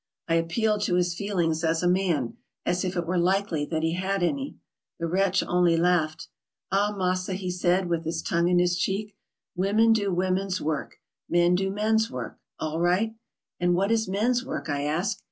I appealed to his feelings as a man, as if it were likely that he had any. The wretch only laughed. "Ah, massa," he said, with his tongue in his cheek, " women do women's work, men do men's work — all right." "And what is men's work? " I asked.